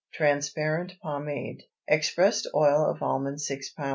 TRANSPARENT POMADE. Expressed oil of almond 6 lb.